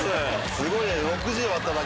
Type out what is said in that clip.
すごいね。